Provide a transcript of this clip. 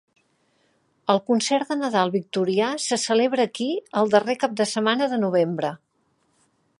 El Concert de Nadal Victorià se celebra aquí el darrer cap de setmana de novembre.